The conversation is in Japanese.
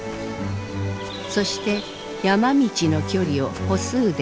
そして山道の距離を歩数で測った。